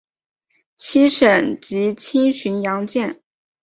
七省级轻巡洋舰。